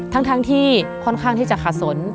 ทั้งที่ค่อนข้างที่จะขาดสน